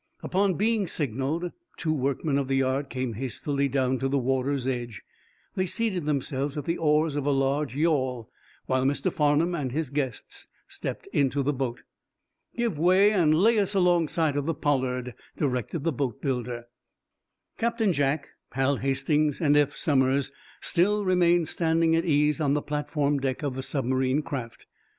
Upon being signaled two workmen of the yard came hastily down to the water's edge. They seated themselves at the oars of a large yawl, while Mr. Farnum and his guests stepped into the boat. "Give way, and lay us alongside of the 'Pollard,'" directed the boatbuilder. Captain Jack, Hal Hastings and Eph Somers still remained standing at ease on the platform deck of the submarine craft.